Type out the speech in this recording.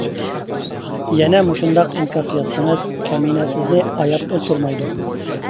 يەنە مۇشۇنداق ئىنكاس يازسىڭىز كەمىنە سىزنى ئاياپ ئولتۇرمايدۇ.